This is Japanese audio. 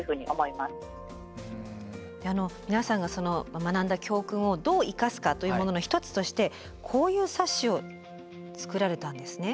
で皆さんが学んだ教訓をどう生かすかというものの一つとしてこういう冊子を作られたんですね。